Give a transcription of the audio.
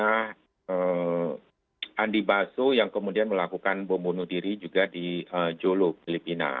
seperti andi basso yang kemudian melakukan pembunuh diri juga di jolo filipina